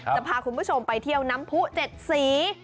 จะพาคุณผู้ชมไปเที่ยวน้ำผู้๗สี